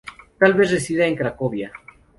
Tal vez resida en Cracovia.